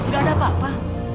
gak ada apa apa